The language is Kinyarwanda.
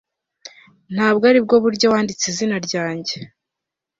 ntabwo aribwo buryo wanditse izina ryanjye